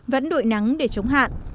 vẫn đội nắng để chống hạn